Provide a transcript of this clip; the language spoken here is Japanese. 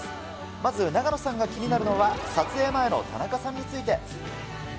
まず、永野さんが気になるのは、撮影前の田中さんについて。